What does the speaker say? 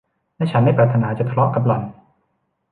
และฉันไม่ปรารถนาจะทะเลาะกับหล่อน